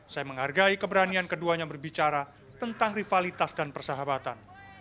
saya menghargai keberanian keduanya berbicara tentang rivalitas dan persahabatan